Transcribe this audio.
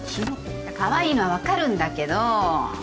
カワイイのは分かるんだけど。